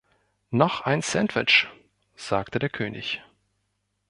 „Noch ein Sandwich!“, sagte der König.